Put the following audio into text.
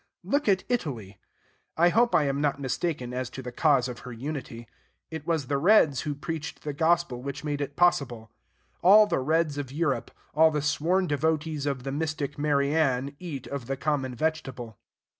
Look at Italy. I hope I am not mistaken as to the cause of her unity. It was the Reds who preached the gospel which made it possible. All the Reds of Europe, all the sworn devotees of the mystic Mary Ann, eat of the common vegetable.